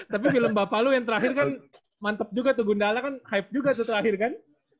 tapi film bapak lu yang terakhir kan mantep juga tuh gundala kan hype juga tuh terakhir kan